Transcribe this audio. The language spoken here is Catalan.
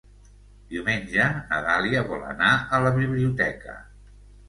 Diumenge na Dàlia vol anar a la biblioteca.